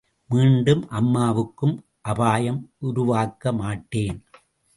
மீண்டும் அம்மாவுக்கும் அபாயம் உருவாக்க மாட்டேன்.